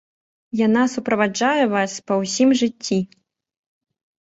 Яна суправаджае вас па ўсім жыцці.